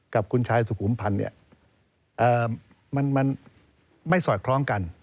กับคุณชายสุขุมพันธ์มันไม่สอดคล้องกัน